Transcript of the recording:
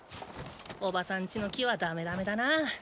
おばさん家の木はダメダメだなあ。